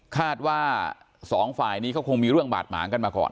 คาดว่าสองฝ่ายนี้เขาคงมีเรื่องบาดหมางกันมาก่อน